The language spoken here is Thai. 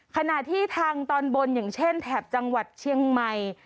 ขณะที่ทางตอนบนอย่างเช่นแถบจังหวัดเชียงใหม่